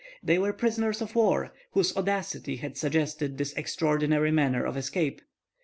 They were prisoners of war whose audacity had suggested this extraordinary manner of escape.